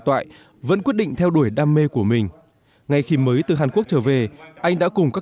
tại vẫn quyết định theo đuổi đam mê của mình ngay khi mới từ hàn quốc trở về anh đã cùng các